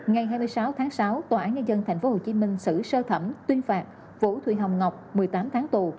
ngày hai mươi sáu tháng sáu tòa án nhân dân tp hcm xử sơ thẩm tuyên phạt vũ thủy hồng ngọc một mươi tám tháng tù